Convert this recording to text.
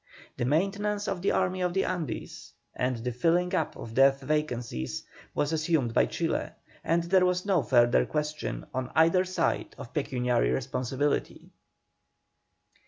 The maintenance of the Army of the Andes, and the filling up of death vacancies, was assumed by Chile, and there was no further question on either side of pecuniary responsibility.